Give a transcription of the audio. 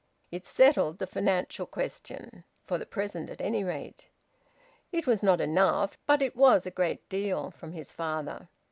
It settled the financial question, for the present at any rate. It was not enough, but it was a great deal from his father.